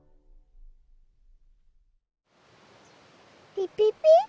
ピピピ。